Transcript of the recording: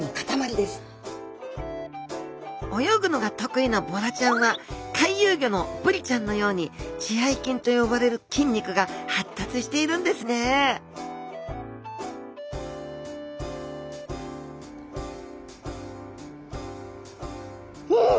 泳ぐのが得意なボラちゃんは回遊魚のブリちゃんのように血合筋と呼ばれる筋肉が発達しているんですねん！